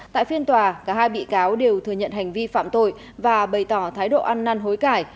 tại phiên tòa cả hai bị cáo đều thừa nhận hành vi phạm tội và bày tỏ thái độ ăn năn hối cải